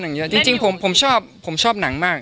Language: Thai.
หนังเยอะจริงผมชอบหนังมาก